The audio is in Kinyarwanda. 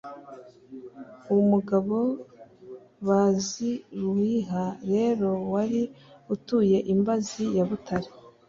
umugabo baziruwiha rero wari utuye i mbazi ya butare